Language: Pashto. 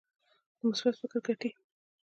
د مثبت فکر ګټې.